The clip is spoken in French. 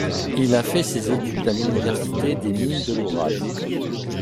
Il a fait ses études à l'université des Mines de l'Oural.